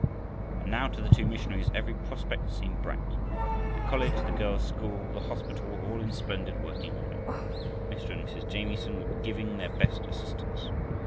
And now to the two missionaries every prospect seemed bright. The college, the girls' school, the hospital, were all in splendid working order. Mr. and Mrs. Jamieson were giving their best assistance.